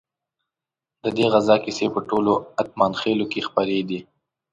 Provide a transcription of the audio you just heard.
ددې غزا کیسې په ټولو اتمانخيلو کې خپرې دي.